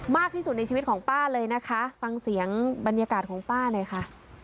มากที่สุดในชีวิตของป้าเลยนะคะฟังเสียงบรรยากาศของป้าหน่อยค่ะ